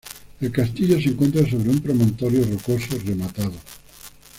El castillo se encuentra sobre un promontorio rocoso rematado.